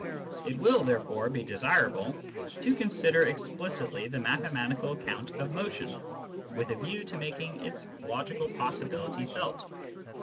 It will therefore be desirable to consider explicitly the mathematical account of motion, with a view to making its logical possibility felt.